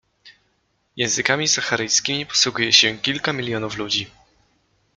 Językami saharyjskimi posługuje się kilka milionów ludzi.